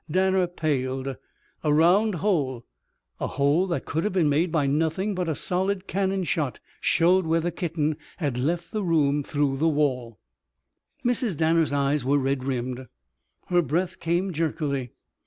Danner paled. A round hole a hole that could have been made by nothing but a solid cannon shot showed where the kitten had left the room through the wall. Mrs. Danner's eyes were red rimmed. Her breath came jerkily.